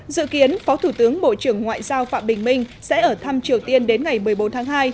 dự kiến phó thủ tướng bộ trưởng ngoại giao phạm bình minh sẽ ở thăm triều tiên đến ngày một mươi bốn tháng hai